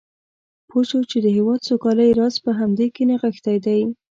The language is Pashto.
پوه شو چې د هېواد سوکالۍ راز په همدې کې نغښتی دی.